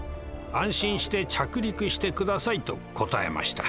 安心して着陸して下さい」と答えました。